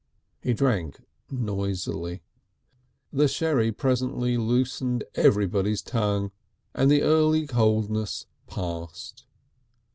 He drank noisily. The sherry presently loosened everybody's tongue, and the early coldness passed.